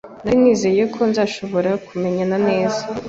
Nari nizeye ko nzashobora kumenyana neza.